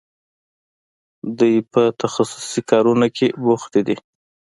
دوی په تخصصي کارونو کې بوختې دي.